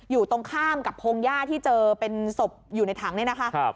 อยู่ตรงข้ามกับพงหญ้าที่เจอเป็นศพอยู่ในถังเนี่ยนะคะ